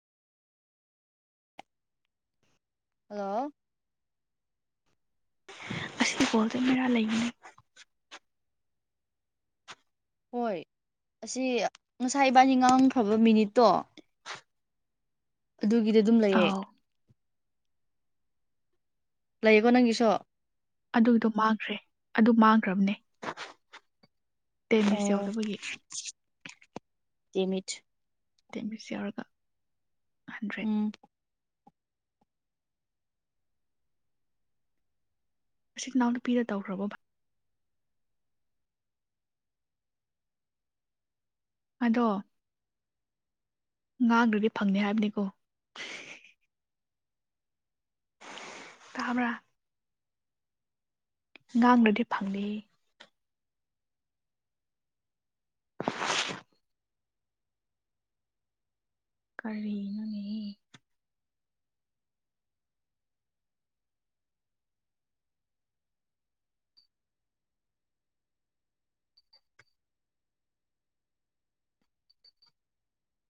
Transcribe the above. hello ꯑꯁꯤꯗꯤ ꯀꯣꯜꯗ ꯃꯦꯔꯥ ꯂꯩꯕꯅꯤ ꯍꯣꯏ ꯑꯁꯤ ꯉꯁꯥꯏ ꯏꯕꯥꯅꯤ ꯉꯥꯡꯈ꯭ꯔꯕ ꯃꯤꯅꯤꯠꯇꯣ ꯑꯗꯨꯒꯤꯗꯤ ꯑꯗꯨꯝ ꯂꯩꯌꯦ ꯑꯥꯎ ꯂꯩꯌꯦꯀꯣ ꯅꯪꯒꯤꯁꯨ ꯑꯗꯨꯒꯤꯗꯣ ꯃꯥꯡꯈ꯭ꯔꯦ ꯑꯗꯨ ꯃꯥꯡꯈ꯭ꯔꯕꯅꯦ ꯇꯦꯟ ꯃꯤꯁ ꯌꯧꯗꯕꯒꯤ ꯇꯤꯃꯤꯠ ꯇꯦꯃꯤꯅꯤꯁ ꯌꯧꯔꯒ ꯍꯟꯗ꯭ꯔꯦꯠ ꯎꯝ ꯎꯆꯤ ꯏꯅꯥꯎꯅꯨꯄꯤꯅ ꯇꯧꯈ꯭ꯔꯕꯣ ꯕ ꯑꯗꯣ ꯉꯥꯡꯗ꯭ꯔꯗꯤ ꯐꯪꯅꯤ ꯍꯥꯏꯕꯅꯤꯀꯣ ꯇꯥꯕ꯭ꯔꯥ ꯉꯥꯡꯅꯗꯤ ꯐꯪꯅꯤ ꯀꯔꯤꯅꯨꯅꯦ